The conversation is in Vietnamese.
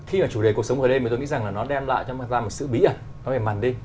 khi mà chủ đề cuộc sống về đêm tôi nghĩ rằng nó đem lại ra một sự bí ẩn về màn đêm